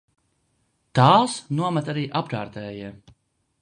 Tās nomet arī apkārtējie.